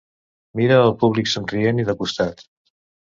Mira el públic somrient i de costat.